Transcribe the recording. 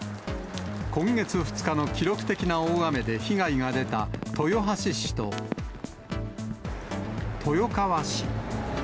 今月２日の記録的な大雨で被害が出た豊橋市と、豊川市。